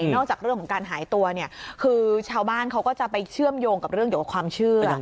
นอกจากเรื่องของการหายตัวเนี่ยคือชาวบ้านเขาก็จะไปเชื่อมโยงกับเรื่องเกี่ยวกับความเชื่อ